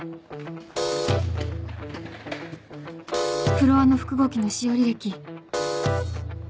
フロアの複合機の使用履歴